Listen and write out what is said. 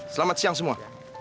selamat siang semua